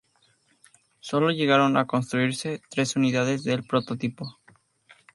Sólo llegaron a construirse tres unidades del prototipo.